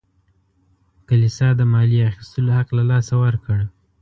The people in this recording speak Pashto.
کلیسا د مالیې اخیستلو حق له لاسه ورکړ.